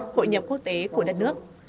hội nhập quốc tế của đất nước